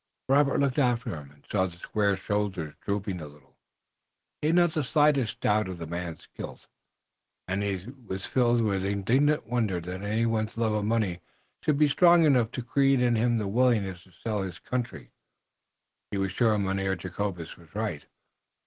Robert looked after him and saw the square shoulders drooping a little. He had not the slightest doubt of the man's guilt, and he was filled with indignant wonder that anyone's love of money should be strong enough to create in him the willingness to sell his country. He was sure Mynheer Jacobus was right.